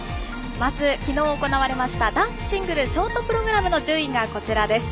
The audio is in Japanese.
まずきのう、行われました男子シングルショートプログラムの順位がこちらです。